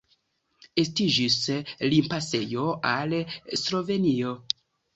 Estiĝis limpasejo al Slovenio.